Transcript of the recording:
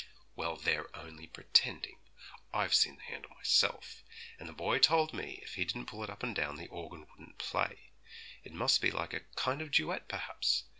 'Well, they're only pretending; I've seen the handle myself, and the boy told me if he didn't pull it up and down the organ wouldn't play. It must be like a kind of duet, perhaps.